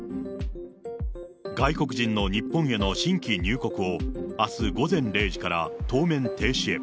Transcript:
外国人の日本への新規入国を、あす午前０時から当面停止へ。